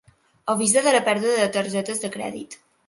Avisa de la pèrdua de targetes de crèdit.